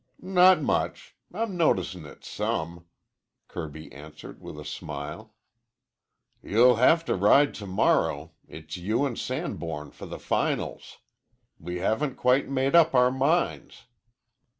"Not much. I'm noticin' it some," Kirby answered with a smile. "You'll have to ride to morrow. It's you and Sanborn for the finals. We haven't quite made up our minds."